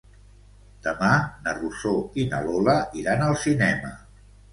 Demà na Rosó i na Lola iran al cinema.